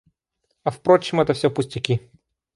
А впрочем, это все пустяки.